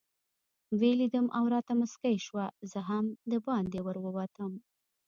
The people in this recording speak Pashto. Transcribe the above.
ویې لیدم او راته مسکۍ شوه، زه هم دباندې ورووتم.